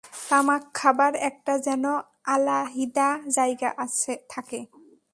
তামাক খাবার একটা যেন আলাহিদা জায়গা থাকে।